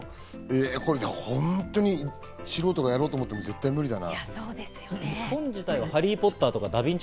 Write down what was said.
素人がやろうと思っても絶対無理だな。